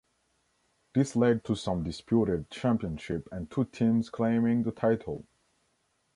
This led to some disputed championships and two teams claiming the title.